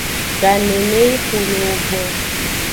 Ganeneyi xo le ewo gbo.